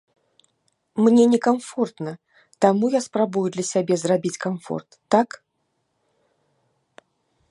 Мне не камфортна, таму я спрабую для сябе зрабіць камфорт, так?